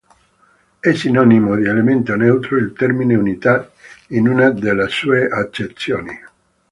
È sinonimo di elemento neutro il termine unità in una delle sue accezioni.